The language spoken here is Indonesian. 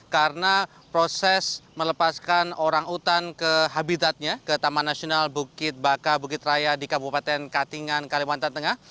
karena proses melepaskan orang utan ke habitatnya ke taman nasional bukit baka bukit raya di kabupaten katingan kalimantan tengah